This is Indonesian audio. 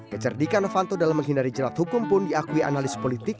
kecerdikan novanto dalam menghindari jelat hukum pun diakui analis politik